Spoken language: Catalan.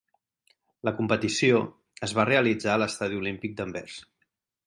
La competició es va realitzar a l'Estadi Olímpic d'Anvers.